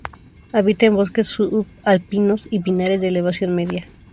Habita en bosques subalpinos y pinares de elevación media.